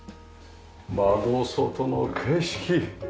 窓外の景色。